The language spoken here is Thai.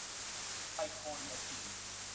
ไทยโพลีอะคริลิค